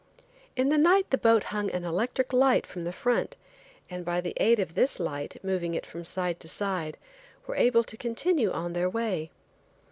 In the night the boat hung an electric light from the front, and by the aid of this light, moving it from side to side, were able to continue on their way.